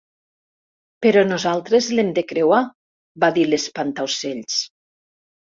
"Però nosaltres l'hem de creuar", va dir l'Espantaocells.